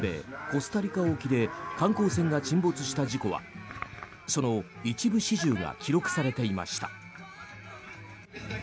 コスタリカ沖で観光船が沈没した事故はその一部始終が記録されていました。